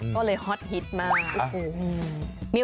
ก็เลยฮอตฮิตมาก